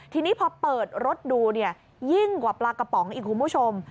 ทีนี้พอเปิดรถดูเนี่ยยิ่งกว่าปลากระป๋องอีกคุณผู้ชม